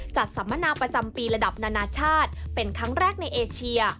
สัมมนาประจำปีระดับนานาชาติเป็นครั้งแรกในเอเชีย